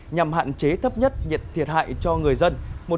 nhằm hạn chế thấp nhất nhiệt thiệt hại cho người dân